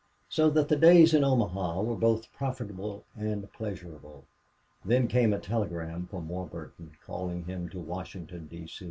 So that the days in Omaha were both profitable and pleasurable. Then came a telegram from Warburton calling him to Washington, D.